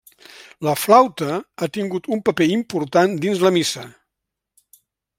La flaüta ha tingut un paper important dins de la missa.